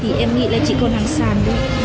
tại vì bên em không còn hàng không còn sản